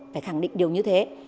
phải khẳng định điều như thế